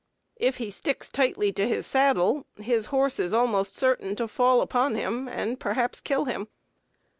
If he sticks tightly to his saddle, his horse is almost certain to fall upon him, and perhaps kill him.